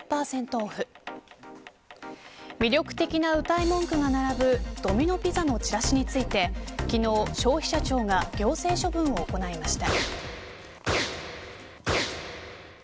オフ魅力的なうたい文句が並ぶドミノ・ピザのチラシについて昨日、消費者庁が行政処分を行いました。